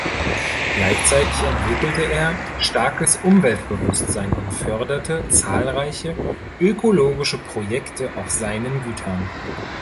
Gleichzeitig entwickelte er starkes Umweltbewusstsein und förderte zahlreiche ökologische Projekte auf seinen Gütern.